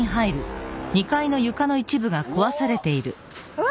うわ！